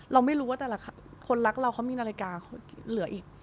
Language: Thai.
เราไม่รู้ว่าแต่ละคนรักเราเขามีนาฬิกาเหลืออีก